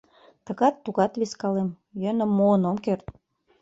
Тыгат, тугат вискалем, йӧным муын ом керт.